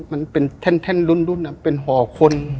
มันเป็นแท่นรุ่นเป็นห่อคน